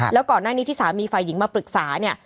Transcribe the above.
แล้วก่อนหน้านี้ที่สามีฝ่ายหญิงมาปรึกษาเนี่ย